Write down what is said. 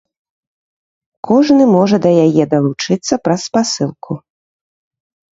Кожны можа да яе далучыцца праз спасылку.